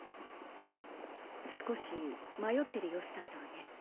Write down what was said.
少し迷ってる様子だったわね。